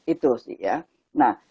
itu sih ya nah